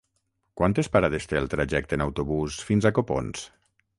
Quantes parades té el trajecte en autobús fins a Copons?